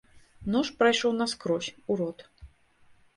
Нож прайшоў наскрозь, у рот.